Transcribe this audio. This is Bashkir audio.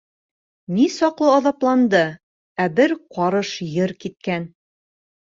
Ни саҡлы аҙапланды, ә бер ҡарыш ер киткән.